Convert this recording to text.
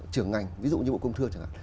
trưởng ngành ví dụ như bộ công thương chẳng hạn